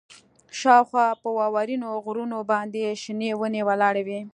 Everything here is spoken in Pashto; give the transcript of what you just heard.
شاوخوا په واورینو غرونو باندې شنې ونې ولاړې وې